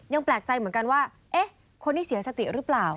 แปลกใจเหมือนกันว่าเอ๊ะคนที่เสียสติหรือเปล่า